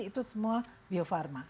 itu semua bio farma